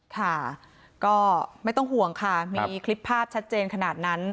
ค่ะก็ไม่ต้องห่วงค่ะมีคลิปภาพชัดเจนขนาดนั้น